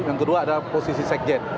yang kedua adalah posisi sekjen